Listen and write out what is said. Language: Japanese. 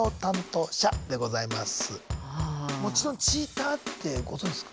もちろんチーターってご存じですか？